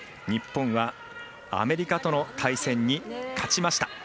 日本はアメリカとの対戦に勝ちました。